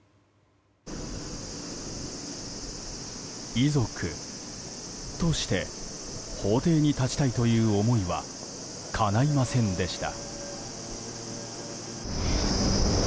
遺族として法廷に立ちたいという思いはかないませんでした。